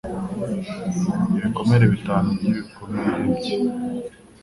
Ibikomere bitanu by'ibikomere bye